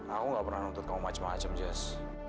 aku gak pernah nuntut kamu macam macam jazz